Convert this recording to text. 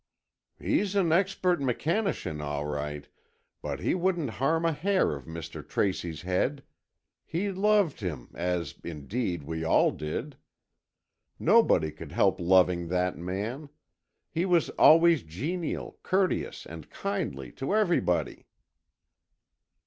"He's an expert mechanician all right, but he wouldn't harm a hair of Mr. Tracy's head. He loved him, as, indeed, we all did. Nobody could help loving that man. He was always genial, courteous and kindly to everybody."